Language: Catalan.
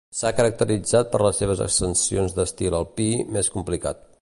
S'ha caracteritzat per les seves ascensions d'estil alpí, més complicat.